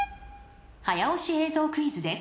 ［早押し映像クイズです］